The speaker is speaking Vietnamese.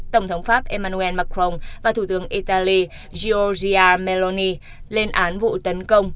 tổng thống pháp emmanuel macron và thủ tướng italy georgia meloni lên án vụ tấn công